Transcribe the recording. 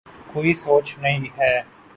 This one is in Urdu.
کوئی سوچ نہیں ہے۔